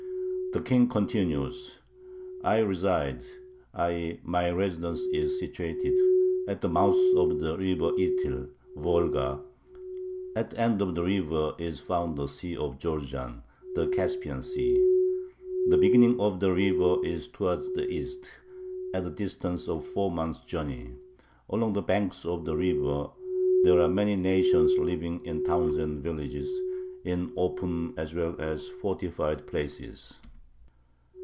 The King continues: I reside [i. e. my residence is situated] at the mouth of the river Ityl [Volga]; at the end of the river is found the Sea of Jorjan [the Caspian Sea]. The beginning of the river is towards the east, at a distance of a four months' journey. Along the banks of the river there are many nations living in towns and villages, in open as well as fortified places.